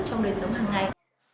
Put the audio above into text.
trong đời sống hàng ngày